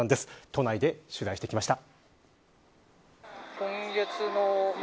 都内で取材してきました。